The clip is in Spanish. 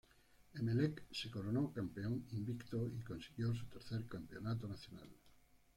Emelec se coronó campeón invicto, y consiguió su tercer campeonato nacional.